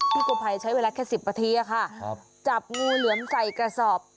กู้ภัยใช้เวลาแค่๑๐นาทีค่ะจับงูเหลือมใส่กระสอบ